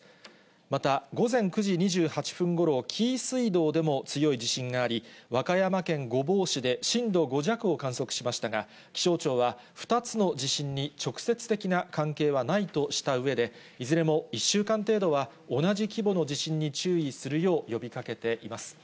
また午前９時２８分ごろ、紀伊水道でも強い地震があり、和歌山県御坊市で震度５弱を観測しましたが、気象庁は、２つの地震に直接的な関係はないとしたうえで、いずれも１週間程度は同じ規模の地震に注意するよう呼びかけています。